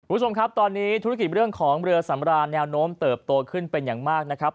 คุณผู้ชมครับตอนนี้ธุรกิจเรื่องของเรือสำราแนวโน้มเติบโตขึ้นเป็นอย่างมากนะครับ